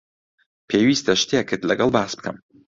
پێویستە شتێکت لەگەڵ باس بکەم.